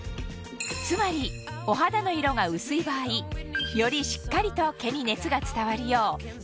つまりお肌の色が薄い場合よりしっかりと毛に熱が伝わるよう強めに照射